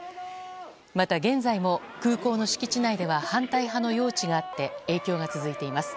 また現在も空港の敷地内では反対派の用地があって影響が続いています。